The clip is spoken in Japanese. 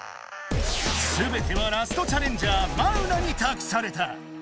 すべてはラストチャレンジャーマウナにたくされた！